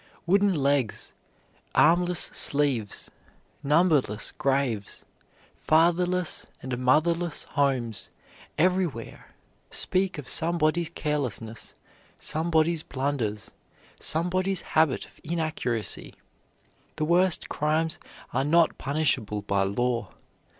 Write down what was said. Wooden legs, armless sleeves, numberless graves, fatherless and motherless homes everywhere speak of somebody's carelessness, somebody's blunders, somebody's habit of inaccuracy. The worst crimes are not punishable by law.